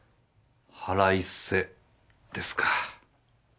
腹いせですか。